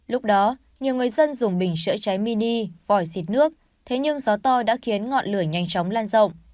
lúc đó nhiều người dân dùng bình chữa cháy mini vòi xịt nước thế nhưng gió to đã khiến ngọn lửa nhanh chóng lan rộng